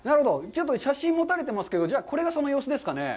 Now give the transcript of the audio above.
ちょっと写真持たれてますが、これがその様子ですかね。